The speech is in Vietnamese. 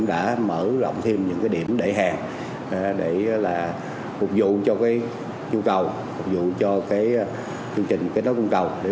trong thời điểm này hoàn toàn là hợp lý